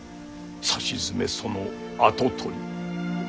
さしずめその跡取り。